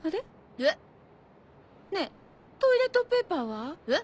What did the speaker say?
おっ？ねえトイレットペーパーは？おっ？